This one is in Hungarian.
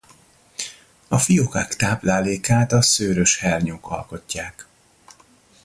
A fiókák táplálékát a szőrös hernyók alkotják.